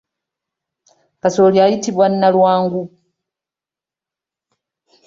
Kasooli ayitibwa nalwangu.